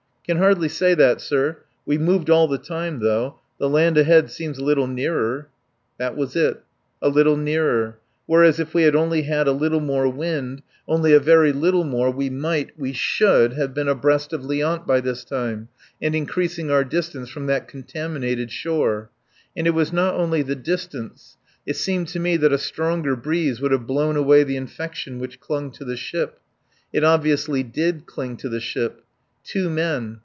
"Can hardly say that, sir. We've moved all the time though. The land ahead seems a little nearer." That was it. A little nearer. Whereas if we had only had a little more wind, only a very little more, we might, we should, have been abreast of Liant by this time and increasing our distance from that contaminated shore. And it was not only the distance. It seemed to me that a stronger breeze would have blown away the contamination which clung to the ship. It obviously did cling to the ship. Two men.